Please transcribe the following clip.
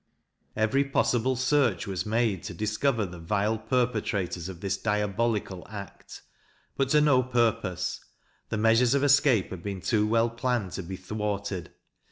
Every possible search was made to discover the vile perpetrators of this diabolical act, but to no purpose, the measures of escape had been too well planned to be thwarted.